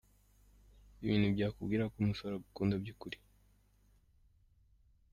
Ibintu byakubwira ko umusore agukunda by’ukuri